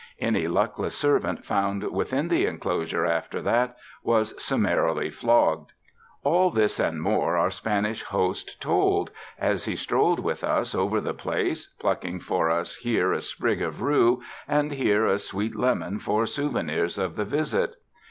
Any luckless servant found within the enclosure after that, was summarily flogged. All this and more our Spanish host told, as he strolled with us over the place, plucking for us here a sprig of rue and here a sweet lemon for souvenirs of the visit.